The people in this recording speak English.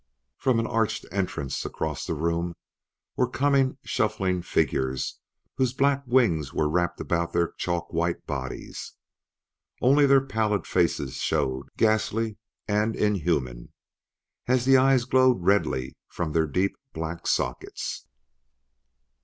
From an arched entrance across the room were coming shuffling figures whose black wings were wrapped about their chalk white bodies. Only their pallid faces showed, ghastly and inhuman, as the eyes glowed redly from their deep black sockets.